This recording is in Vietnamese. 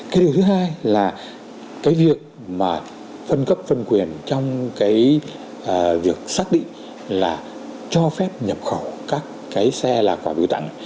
cái điều thứ hai là cái việc mà phân cấp phân quyền trong cái việc xác định là cho phép nhập khẩu các cái xe là quả biểu tặng